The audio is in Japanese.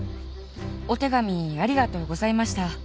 お手紙ありがとうございました。